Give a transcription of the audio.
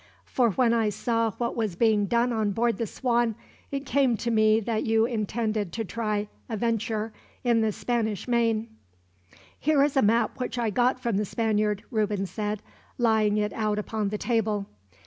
So when I saw what was being done on board the Swan, it came to me that you intended to try a venture in the Spanish main." "Here is a map which I got from the Spaniard," Reuben said, laying it out upon the table.